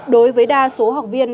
đối với đa số học viên